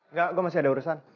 enggak gue masih ada urusan